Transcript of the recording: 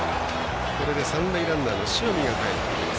これで三塁ランナーの塩見がかえってきます。